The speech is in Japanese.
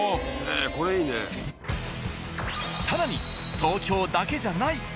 ［さらに東京だけじゃない］